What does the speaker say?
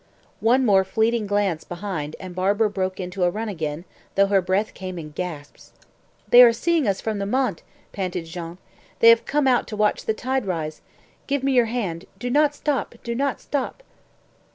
One more fleeting glance behind and Barbara broke into a run again, though her breath came in gasps. "They are seeing us from the Mont," panted Jean. "They have come out to watch the tide rise. Give me your hand. Do not stop! Do not stop!"